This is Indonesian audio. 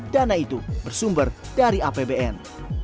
dana itu bersumber dari apbn